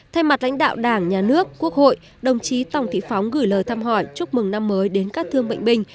thay mặt lãnh đạo đảng nhà nước quốc hội đồng chí tòng thị phóng gửi lời thăm hỏi chúc mừng năm mới đến các thương bệnh binh